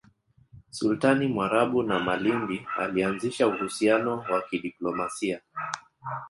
Sultani Mwarabu wa Malindi alianzisha uhusiano wa kidiplomasia